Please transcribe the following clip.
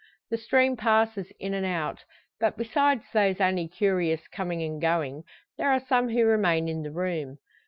The stream passes in and out; but besides those only curious coming and going, there are some who remain in the room.